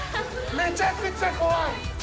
めちゃくちゃ怖い。